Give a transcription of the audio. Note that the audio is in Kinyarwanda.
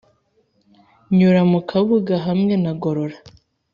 Nyura mu Kabuga hamwe na Gorora